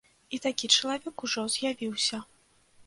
І такі чалавек ужо з'явіўся.